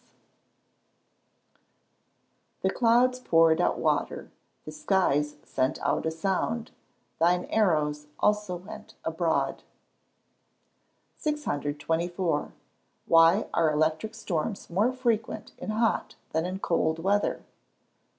[Verse: "The clouds poured out water; the skies sent out a sound; thine arrows also went abroad."] 624. _Why are electric storms more frequent in hot than in cold weather?